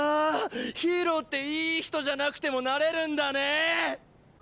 ヒーローっていい人じゃなくてもなれるんだね！